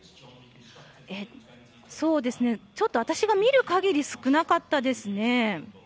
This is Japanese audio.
そうですね、ちょっと私が見るかぎり少なかったですね。